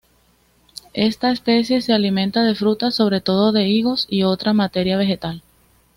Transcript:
Esta especie se alimenta de fruta, sobre todo de higos, y otra materia vegetal.